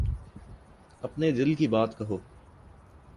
اپنے دل کی بات کہو۔